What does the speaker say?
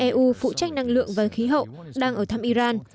eu phụ trách năng lượng và khí hậu đang ở thăm iran